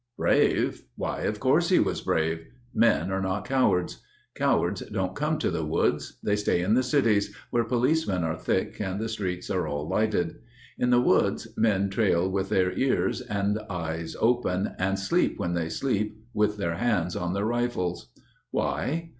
Brave? Why, of course he was brave. Men are not cowards. Cowards don't come to the woods. They stay in the cities, Where policemen are thick and the streets are all lighted. In the woods men trail with their ears and eyes open, And sleep when they sleep with their hands on their rifles. Why?